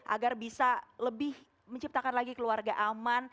agar bisa lebih menciptakan lagi keluarga aman